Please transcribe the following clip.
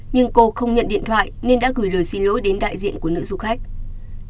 nhưng cô không nhận điện thoại nên đã gửi lời xin lỗi đến đại diện của nữ du khách